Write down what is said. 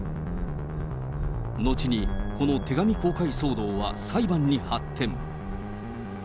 後にこの手紙公開騒動は裁判に発展。